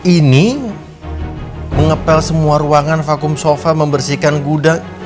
ini mengepel semua ruangan vakum sofa membersihkan gudang